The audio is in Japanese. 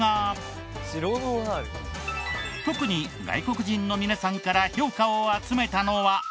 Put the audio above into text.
特に外国人の皆さんから評価を集めたのは。